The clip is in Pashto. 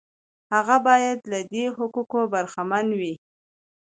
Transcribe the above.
هغه باید له دې حقوقو برخمن وي.